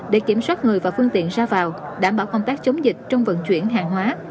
để kiểm soát người và phương tiện ra vào đảm bảo công tác chống dịch trong vận chuyển hàng hóa